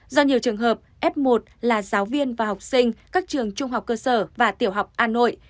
do nhiều trường hợp f một là giáo viên và học sinh các trường trung học cơ sở và tiểu học hà nội